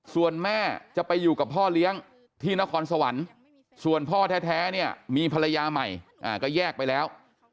ส่วนแม่จะไปอยู่กับพ่อเลี้ยงที่นครสวรรค์ส่วนพ่อแท้เนี่ยมีภรรยาใหม่ก็แยกไปแล้ว